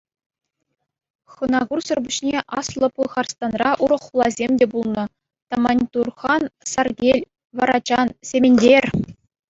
Хӑнакурсӑр пуҫне Аслӑ Пӑлхарстанра урӑх хуласем те пулнӑ: Таманьтурхан, Саркел, Варачан, Сементер.